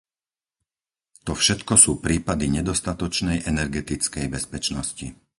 To všetko sú prípady nedostatočnej energetickej bezpečnosti.